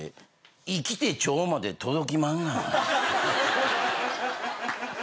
生きて腸まで届きまんがな。